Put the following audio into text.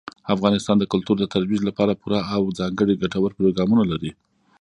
افغانستان د کلتور د ترویج لپاره پوره او ځانګړي ګټور پروګرامونه لري.